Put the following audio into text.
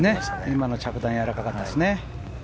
今の着弾は柔らかかったんですね。